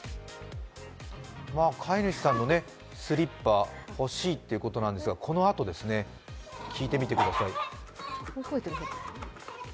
飼い主さんのスリッパ、欲しいということなんですが、このあとですね、聞いてみてください。